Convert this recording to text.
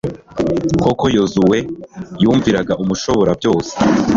koko yozuwe yumviraga umushoborabyose